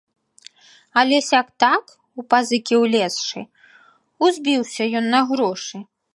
Але сяк-так, у пазыкі ўлезшы, узбіўся ён на грошы.